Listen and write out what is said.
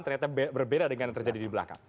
ternyata berbeda dengan yang terjadi di belakang